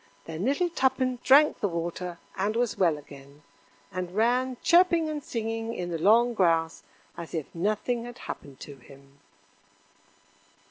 Then little Tuppen drank the water, and was well again, and ran chirping and singing in the long grass as if nothing had happened to him.